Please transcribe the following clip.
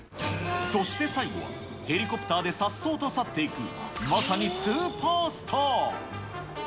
そして最後は、ヘリコプターでさっそうと去っていく、まさにスーパースター。